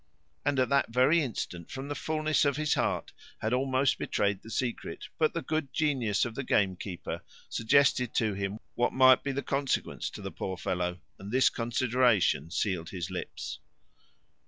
And at that very instant, from the fulness of his heart, had almost betrayed the secret; but the good genius of the gamekeeper suggested to him what might be the consequence to the poor fellow, and this consideration sealed his lips.